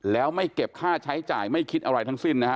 แล้วไม่เก็บค่าใช้จ่ายไม่คิดอะไรทั้งสิ้นนะฮะ